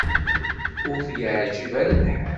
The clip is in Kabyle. Ur t-yeɛjib ara lḥal.